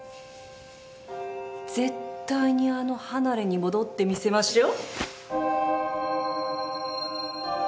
絶対にあの離れに戻ってみせましょう。